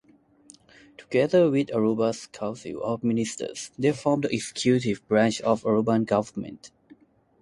Together with Aruba's Council of Ministers, they form the executive branch of Aruban government.